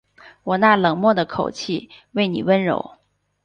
我那冷漠的口气为妳温柔